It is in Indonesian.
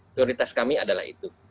prioritas kami adalah itu